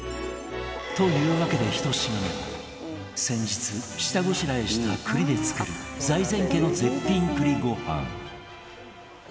というわけで１品目は先日下ごしらえした栗で作る財前家の絶品栗ご飯